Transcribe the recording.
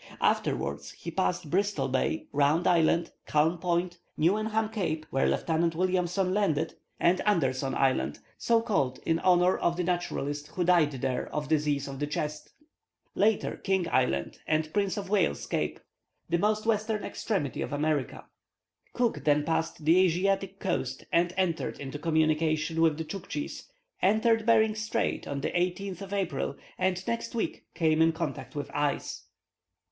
Afterwards he passed Bristol Bay, Round Island, Calm Point, Newenham Cape, where Lieutenant Williamson landed, and Anderson Island, so called in honour of the naturalist, who died there of disease of the chest; later, King Island, and Prince of Wales's Cape, the most western extremity of America. Cook then passed the Asiatic coast and entered into communication with the Tchouktchis, entered Behring Strait on the 11th of April, and next week came in contact with ice.